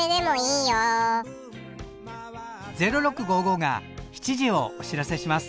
「０６」が７時をお知らせします。